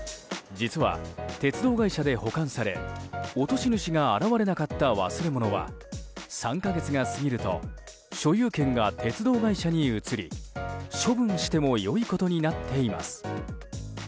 実は、鉄道会社で保管され落とし主が現れなかった忘れ物は３か月が過ぎると所有権が鉄道会社に移り処分しても良いことになっています。